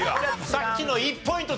さっきの１ポイント